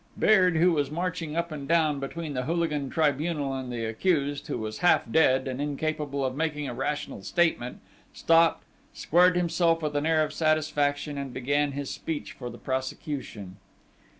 Beard, who was marching up and down between the hooligan tribunal and the accused, who was half dead, and incapable of making a rational statement, stopped, squared himself with an air of satisfaction, and began his speech for the prosecution.